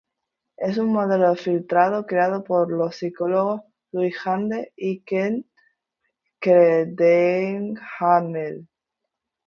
Es un modelo de filtrado creado por los psicólogos Louis Janda y Karen Klende-Hamel.